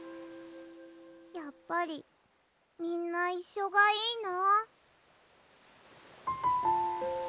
やっぱりみんないっしょがいいな。